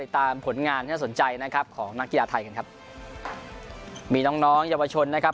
ตามผลงานที่น่าสนใจนะครับของนักกีฬาไทยกันครับมีน้องน้องเยาวชนนะครับ